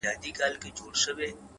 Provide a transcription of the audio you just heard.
درد زغمي ـ